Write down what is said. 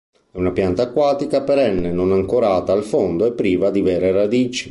È una pianta acquatica perenne, non ancorata al fondo e priva di vere radici.